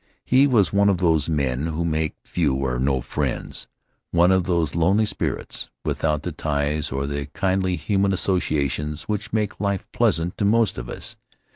He was one of those men who make few or no friends — one of those lonely spirits without the ties or the kindly human associations which make life pleasant to most of us.